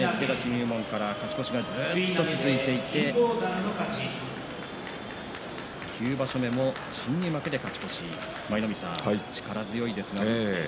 入門から勝ち越しがずっと続いていて９場所目も新入幕で勝ち越し力強いですね。